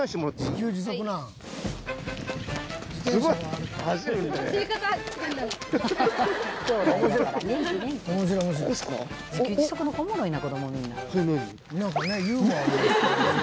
自給自足の子おもろいな子供みんな。